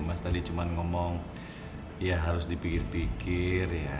mas tadi cuma ngomong ya harus dipikir pikir ya